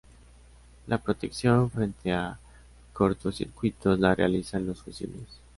La protección frente a cortocircuitos la realizan los fusibles.